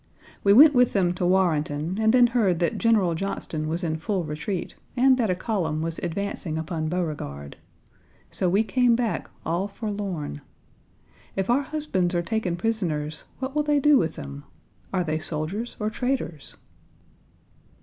We went with them to Warrenton, and then heard that General Johnston was in full retreat, and that a column was advancing upon Beauregard. So we came back, all forlorn. If our husbands are taken prisoners, what will they do with them? Are they soldiers or traitors?